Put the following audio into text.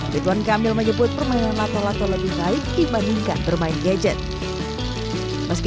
ridwan kamil menyebut permainan lato lato lebih baik dibandingkan bermain gadget meski